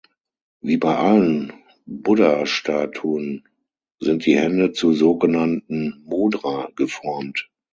Wie bei allen Buddhastatuen sind die Hände zu sogenannten Mudra geformt.